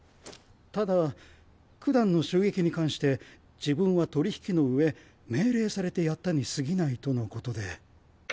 ただくだんの襲撃に関して「自分は取り引きのうえ命令されてやったにすぎない」とのことで。